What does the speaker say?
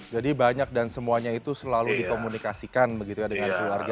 jadi banyak dan semuanya itu selalu dikomunikasikan begitu kan dengan keluarga